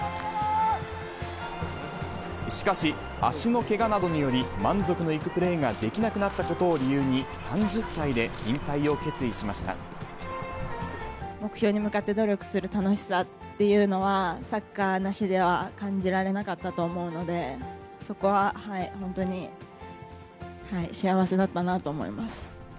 しかし、足のけがなどにより、満足のいくプレーができなくなったことを理由に、３０歳で引退を目標に向かって努力する楽しさっていうのは、サッカーなしでは感じられなかったと思うので、そこは本当に幸せだったなと思います。